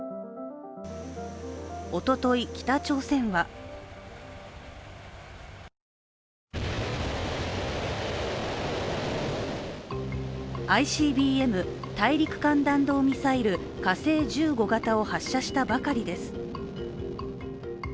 おととい、北朝鮮はＩＣＢＭ＝大陸間弾道ミサイル、火星１５型を発射したばかりです。